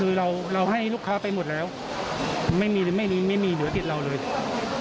คือเราให้ลูกค้าไปหมดแล้วไม่มีเหลือติดเราเลย